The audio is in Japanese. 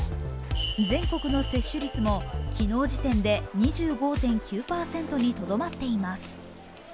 全国の接種率も昨日時点で２５．９％にとどまっています。